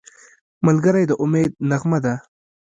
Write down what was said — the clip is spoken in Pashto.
ملګری د امید نغمه ده